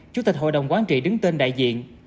chủ tịch hội đồng quán trị đứng tên đại diện